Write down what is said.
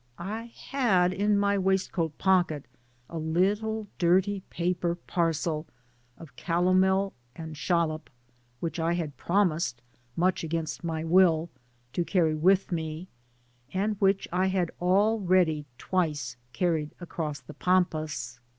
^^ I had in my waistcoat pocket a little dirty paper parcel of calomel and jalap, which I had promised, much against my will, to carry with me, and which I had already twice carried across the Pampas.